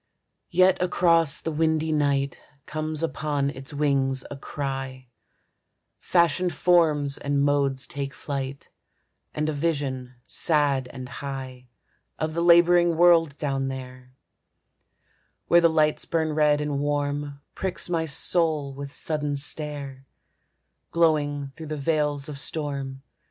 Yet across the windy night Comes upon its wings a cry; Fashioned forms and modes take flight, And a vision sad and high Of the laboring world down there, Where the lights burn red and warm, Pricks my soul with sudden stare, Glowing through the veils of storm.